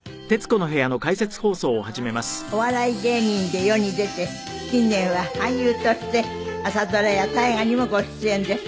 今日のお客様はお笑い芸人で世に出て近年は俳優として朝ドラや大河にもご出演です。